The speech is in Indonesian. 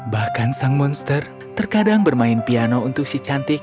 bahkan sang monster terkadang bermain piano untuk si cantik